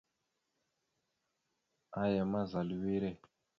Aya ma, zal a wire.